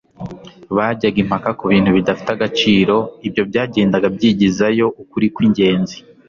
Bajyaga impaka ku bintu bidafite agaciro, ibyo byagendaga byigizayo ukuri kw'ingenzi.